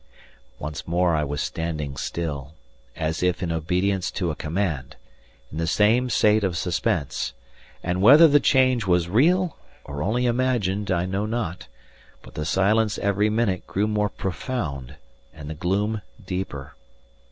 Once more I was standing still, as if in obedience to a command, in the same state of suspense; and whether the change was real or only imagined I know not, but the silence every minute grew more profound and the gloom deeper.